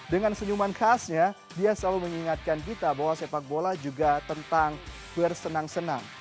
dengan senyuman khasnya dia selalu mengingatkan kita bahwa sepak bola juga tentang bersenang senang